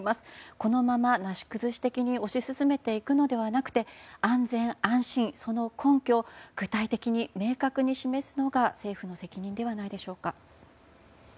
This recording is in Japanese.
このままなし崩し的に推し進めていくのではなくて安全・安心その根拠を具体的に明確に示すのが政府の責任ではないでしょうか。